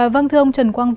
văn thương trần quang vũ